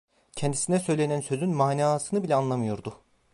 Kendisine söylenen sözün manasını bile anlamıyordu.